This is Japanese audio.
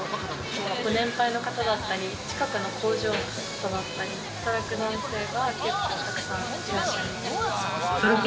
ご年配の方だったり、近くの工場の方だったり、働く男性が結構沢山いらっしゃいます。